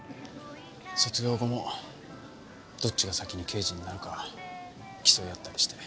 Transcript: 卒業後もどっちが先に刑事になるか競い合ったりして。